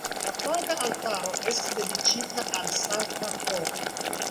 La flanka altaro estas dediĉita al Sankta Koro.